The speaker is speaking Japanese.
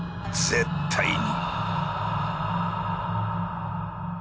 絶対に。